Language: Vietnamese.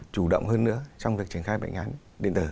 chủ động hơn nữa trong việc triển khai bệnh án điện tử